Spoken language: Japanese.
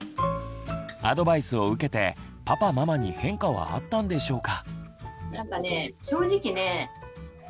アドバイスを受けてパパママに変化はあったんでしょうか。